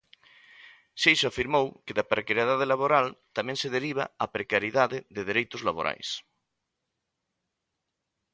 Seixo afirmou que da precariedade laboral tamén se deriva a precariedade de dereitos laborais.